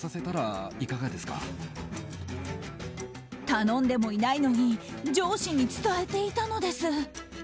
頼んでもいないのに上司に伝えていたのです。